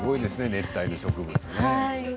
熱帯の植物。